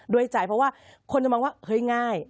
ด้วยใจเพราะว่าคนจะว่างว่าง่าย